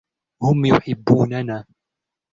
هم يحبوننا.